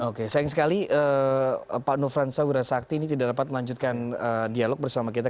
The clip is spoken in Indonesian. oke sayang sekali pak nufransa wirasakti ini tidak dapat melanjutkan dialog bersama kita